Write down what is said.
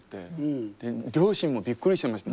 両親もびっくりしてましたね。